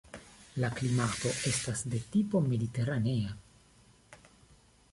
La klimato estas de tipo mediteranea.